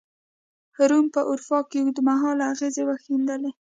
روم پر اروپا اوږد مهاله اغېزې وښندلې.